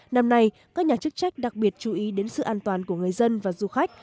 năm nay các nhà chức trách đặc biệt chú ý đến sự an toàn của người dân và du khách